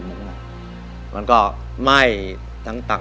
สวัสดีครับ